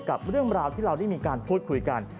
กับเรื่องราวที่เราได้มีการพูดคุยกัน